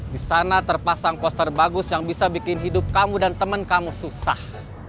di sana terpasang poster bagus yang bisa bikin hidup kamu dan temen kamu susah